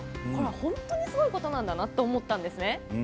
本当にすごいことなんだなと思ったんですね。